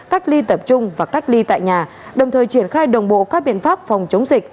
cách ly tập trung và cách ly tại nhà đồng thời triển khai đồng bộ các biện pháp phòng chống dịch